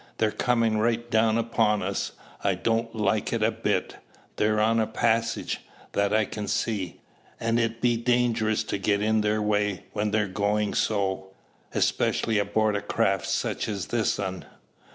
"They're coming right down upon us. I don't like it a bit. They're on a `passage,' that I can see; an' it be dangerous to get in their way when they're goin' so, especially aboard a craft sich as this un'."